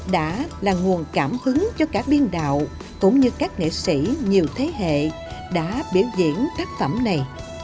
đã là nguồn cảm hứng cho cả biên đạo cũng như các nghệ sĩ nhiều thế hệ đã biểu diễn tác phẩm này